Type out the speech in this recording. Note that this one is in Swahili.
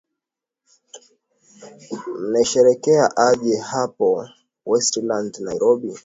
mnaisherehekea aje hapo westlands nairobi